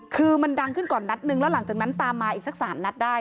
คือมันดังขึ้นก่อนนัดนึงแล้วหลังจากนั้นตามมาอีกสักสามนัดได้